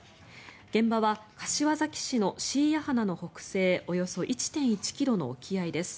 現場は柏崎市の椎谷鼻の北西およそ１．１ｋｍの沖合です。